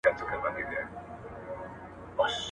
• په اوبو کوچي کوي.